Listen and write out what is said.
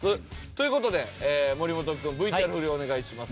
という事で森本君ＶＴＲ振りをお願いします。